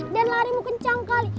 dan larimu kencang kali